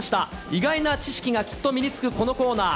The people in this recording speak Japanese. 意外な知識がきっと身につくこのコーナー。